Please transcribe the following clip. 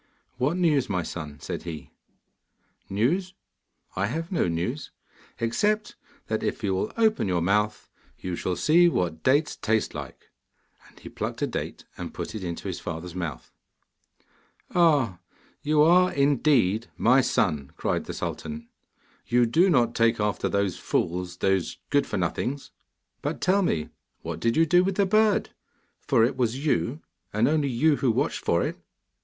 'What news, my son?' said he. 'News? I have no news, except that if you will open your mouth you shall see what dates taste like.' And he plucked a date, and put it into his father's mouth. 'Ah! You are indeed my son,' cried the sultan. 'You do not take after those fools, those good for nothings. But, tell me, what did you do with the bird, for it was you, and you only who watched for it?